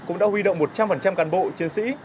cũng đã huy động một trăm linh cán bộ chiến sĩ